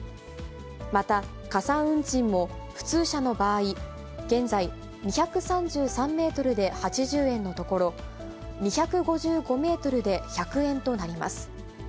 また、加算運賃も普通車の場合、現在２３３メートルで８０円のところ、２５５メートルで１００円となります。